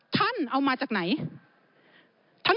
ท่านเอามาจากไหน